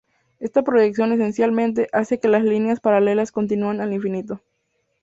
Esta proyección esencialmente hace que las líneas paralelas continúen al infinito.